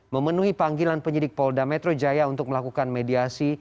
memenuhi panggilan penyidik polda metro jaya untuk melakukan mediasi